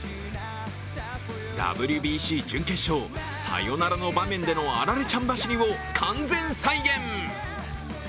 ＷＢＣ準決勝、サヨナラの場面でのアラレちゃん走りを完全再現。